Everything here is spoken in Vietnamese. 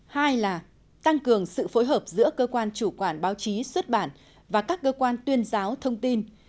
hai là tăng cường sự phối hợp giữa cơ quan chủ quản báo chí xuất bản và các cơ quan tuyên giáo thông tin